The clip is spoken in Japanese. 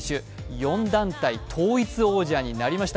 ４団体王座統一王者になりました。